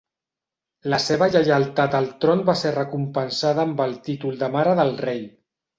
La seva lleialtat al tron va ser recompensada amb el títol de mare del rei.